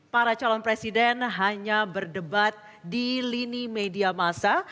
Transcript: para calon presiden hanya berdebat di lini media masa